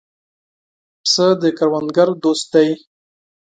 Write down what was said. پسه د کروندګرو دوست دی.